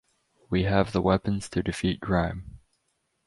We have the weapons to defeat crime.